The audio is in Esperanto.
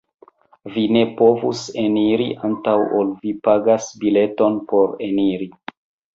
Vi ne povus eniri antaŭ ol vi pagas bileton por eniri.